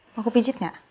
mau aku pijit nggak